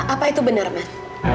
apa itu benar man